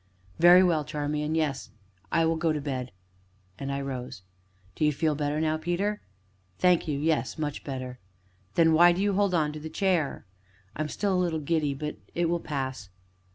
"Very well, Charmian, yes I will go to bed," and I rose. "Do you feel better now, Peter?" "Thank you, yes much better." "Then why do you hold on to the chair?" "I am still a little giddy but it will pass."